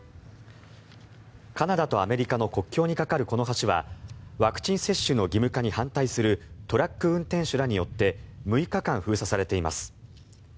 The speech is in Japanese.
カナダとアメリカの国境に架かるこの橋はワクチン接種の義務化に反対するトラック運転手らによって６日間封鎖されています。